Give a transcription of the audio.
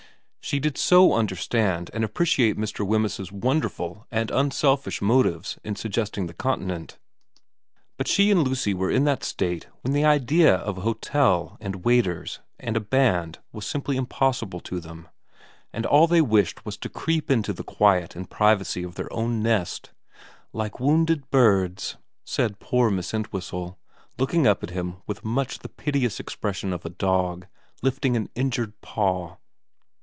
She did so understand and appreciate Mr. Wemyss's wonderful and unselfish motives in suggesting the continent, but she and Lucy were in that state when the idea of an hotel and waiters and a band was simply impossible to them, and all they wished was to creep into the quiet and privacy of their own nest, ' Like wounded birds,' said poor Miss Entwhistle, looking up at him with much the piteous expression of a dog lifting an injured paw.